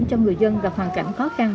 cho người dân gặp hoàn cảnh khó khăn